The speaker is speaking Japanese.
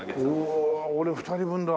おお俺２人分だ。